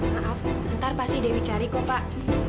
maaf ntar pasti dewi cari kok pak